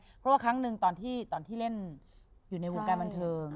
เพราะว่าครั้งหนึ่งตอนที่เล่นอยู่ในวงการบันเทิง